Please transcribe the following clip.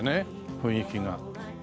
雰囲気が。